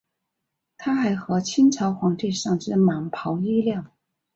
他还获清朝皇帝赏赐蟒袍衣料。